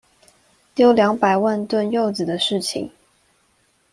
丟兩百萬噸柚子的事情